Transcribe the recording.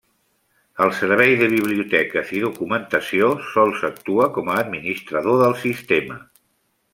El Servei de Biblioteques i Documentació sols actua com a administrador del sistema.